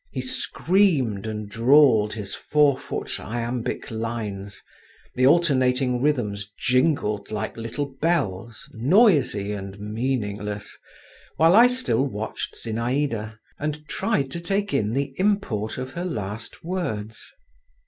He screamed and drawled his four foot iambic lines, the alternating rhythms jingled like little bells, noisy and meaningless, while I still watched Zinaïda and tried to take in the import of her last words.